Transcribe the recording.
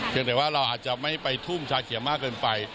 ยังแต่ว่าเราอาจจะไม่ไปทุ่มชาเขียวมากเกินไป